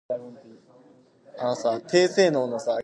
The name means 'red ridge' in the Welsh language.